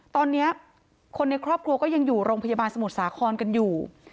ตอนนี้คนในครอบครัวก็ยังอยู่โรงพยาบาลสมุทรสาครกันอยู่